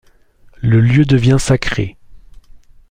Le lieu devient sacré.